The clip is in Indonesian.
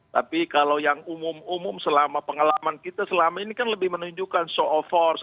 tapi kalau yang umum umum selama pengalaman kita selama ini kan lebih menunjukkan show of force